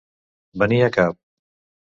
Venir a cap.